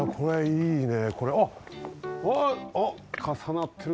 いいね。